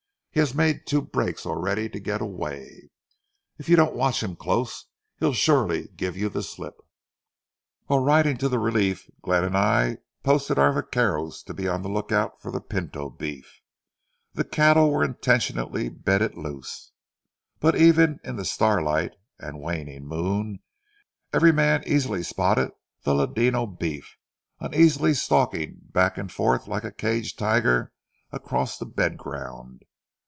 He has made two breaks already to get away, and if you don't watch him close, he'll surely give you the slip." While riding to the relief, Glenn and I posted our vaqueros to be on the lookout for the pinto beef. The cattle were intentionally bedded loose; but even in the starlight and waning moon, every man easily spotted the ladino beef, uneasily stalking back and forth like a caged tiger across the bed ground.